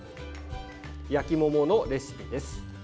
焼き桃のレシピです。